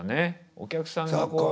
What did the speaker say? お客さんがこう。